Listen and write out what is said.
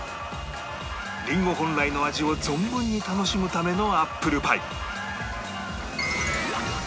りんご本来の味を存分に楽しむためのアップルパイ